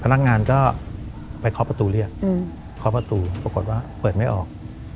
พนักงานก็ไปเคาะประตูเรียกเคาะประตูปรากฏว่าเปิดไม่ออก